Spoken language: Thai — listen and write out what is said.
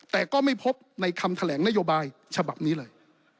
แต่ก็ไม่พบในคำแถลงนโยบายฉบับนี้เลย